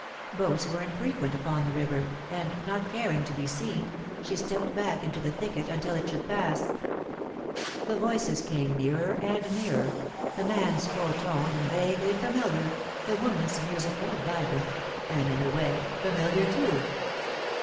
Boats were infrequent upon the river, and, not caring to be seen, she stepped back into the thicket until it should pass. [Sidenote: Mute and Frightened] The voices came nearer and nearer, the man's full toned and vaguely familiar, the woman's musical, vibrant, and, in a way, familiar too.